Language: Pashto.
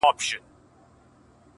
o هر څه چي راپېښ ســولـــــه.